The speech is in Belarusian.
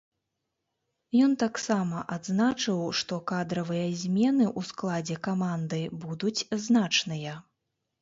Ён таксама адзначыў, што кадравыя змены ў складзе каманды будуць значныя.